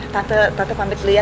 tante pamit dulu ya